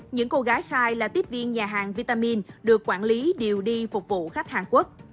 những cô gái khai là tiếp viên nhà hàng vitamin được quản lý điều đi phục vụ khách hàn quốc